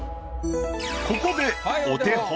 ここでお手本。